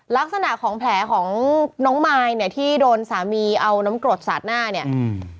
ลักษณะของแผลของน้องมายเนี่ยที่โดนสามีเอาน้ำกรดสาดหน้าเนี่ยอืม